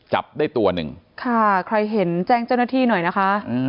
จับได้ตัวหนึ่งค่ะใครเห็นแจ้งเจ้าหน้าที่หน่อยนะคะ